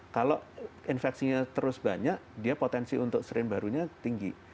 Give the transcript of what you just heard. kalau infeksinya terus banyak dia potensi untuk strain barunya tinggi